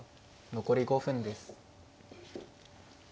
残り５分です。